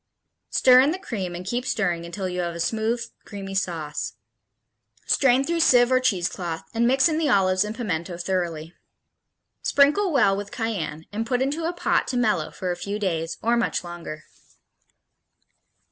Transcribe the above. Stir in the cream and keep stirring until you have a smooth, creamy sauce. Strain through sieve or cheesecloth, and mix in the olives and pimiento thoroughly. Sprinkle well with cayenne and put into a pot to mellow for a few days, or much longer.